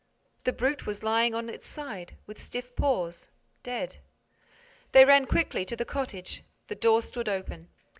The brute was lying on its side, with stiff paws, dead. They ran quickly to the cottage. The door stood open.